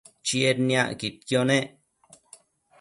Chied niacquidquio nec